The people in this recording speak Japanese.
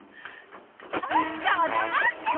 あんたは黙っててよ！